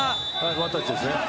ワンタッチですね。